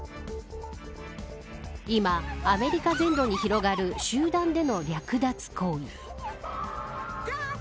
今、アメリカ全土に広がる集団での略奪行為。